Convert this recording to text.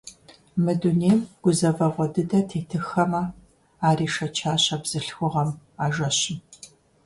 Мы дунейм гузэвэгъуэ дыдэ тетыххэмэ, ар ишэчащ а бзылъхугъэм а жэщым.